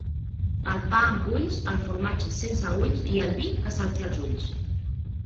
El pa amb ulls, el formatge sense ulls i el vi que salti als ulls.